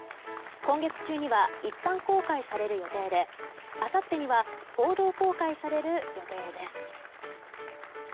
今月中には一般公開される予定であさってには報道公開される予定です。